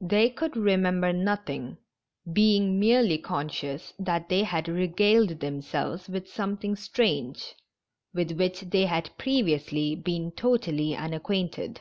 They could remember nothing, being merely conscious that they had regaled themselves with some thing strange, with which they had previously been totally unacquainted.